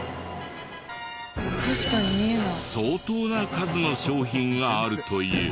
相当な数の商品があるという。